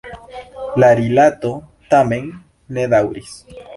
La rilato tamen ne daŭris.